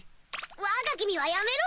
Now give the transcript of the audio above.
わが君はやめろ！